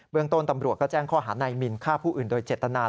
เรื่องต้นตำรวจก็แจ้งข้อหานายมินฆ่าผู้อื่นโดยเจตนา